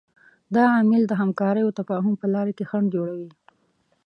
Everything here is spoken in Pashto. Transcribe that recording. دا عامل د همکارۍ او تفاهم په لاره کې خنډ جوړوي.